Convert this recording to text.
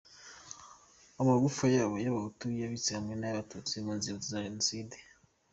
Amagufa y’abo bahutu yanitse hamwe n’ay’abatutsi mu nzibutso za jenoside.